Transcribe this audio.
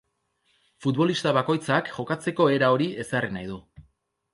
Futbolista bakoitzak jokatzeko era hori ezarri nahi du.